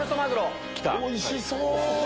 おいしそう！